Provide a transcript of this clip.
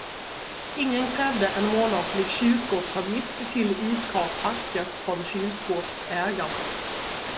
Ingen krävde en månatlig kylskåpsavgift till iskarlsfacket från kylskåpsägarna.